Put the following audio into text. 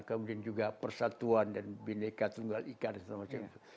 kemudian juga persatuan dan bineka tunggal ikat dan sebagainya